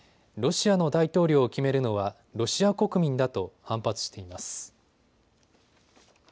ロシアの大統領を決めるのは、ロシア国民だと反発しています。